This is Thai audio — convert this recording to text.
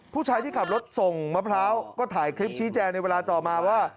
ผู้ชายที่ขับรถส่งมะพร้าวก็ถ่ายคลิปชี้แจงในเวลาต่อมาว่า